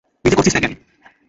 নিজে করছিস না কেন?